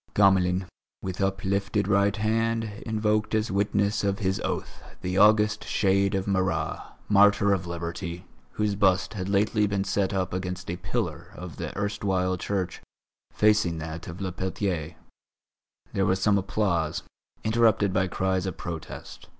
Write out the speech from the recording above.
Gamelin, with uplifted right hand, invoked as witness of his oath the august shade of Marat, martyr of Liberty, whose bust had lately been set up against a pillar of the erstwhile church, facing that of Le Peltier. There was some applause, interrupted by cries of protest.